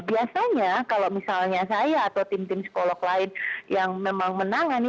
biasanya kalau misalnya saya atau tim tim psikolog lain yang memang menangani